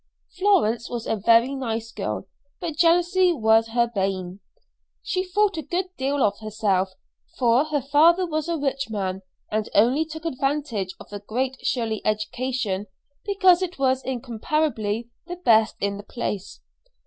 Florence was a very nice girl, but jealousy was her bane. She thought a good deal of herself, for her father was a rich man, and only took advantage of the Great Shirley education because it was incomparably the best in the place.